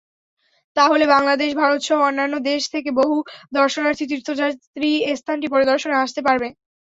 তাহলে বাংলাদেশ-ভারতসহ অন্যান্য দেশ থেকে বহু দর্শনার্থী, তীর্থযাত্রী স্থানটি পরিদর্শনে আসতে পারবে।